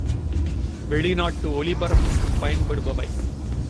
வெளிநாட்டு ஒலிபரப்புக்குப் பயன்படுபவை.